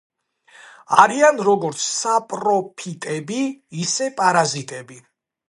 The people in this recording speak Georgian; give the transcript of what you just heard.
არიან როგორც საპროფიტები, ისე პარაზიტები.